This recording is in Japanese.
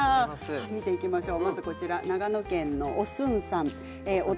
見ていきましょう。